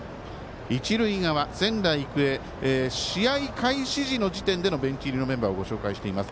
一塁側、仙台育英試合開始の時点でのベンチ入りのメンバーをご紹介しています。